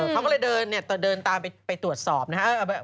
เขาก็เลยเดินตามไปตรวจสอบนะครับ